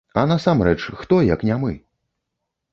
А насамрэч, хто, як не мы?!